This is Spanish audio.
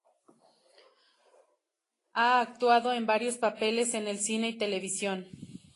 Ha actuado en varios papeles en el cine y televisión.